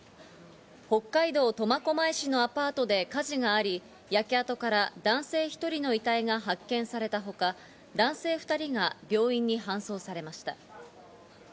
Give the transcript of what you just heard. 北海道苫小牧市のアパートで火事があり、焼け跡から男性１人の遺体が発見されたほか、男性２人が病院に搬送されました。